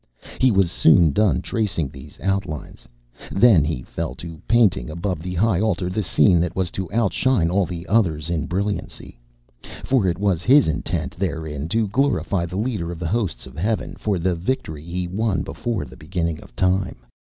He was soon done tracing these outlines; then he fell to painting above the high altar the scene that was to outshine all the others in brilliancy. For it was his intent therein to glorify the leader of the hosts of Heaven for the victory he won before the beginning of time.